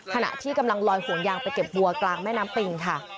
ขณะที่กำลังลอยห่วงยางไปเก็บวัวกลางแม่น้ำปิงค่ะ